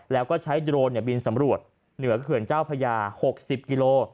แล้วก็ใช้โดรนบินสำรวจเหนือเขื่อนเจ้าพญา๖๐กิโล